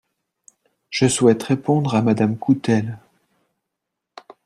Je souhaite répondre à Madame Coutelle.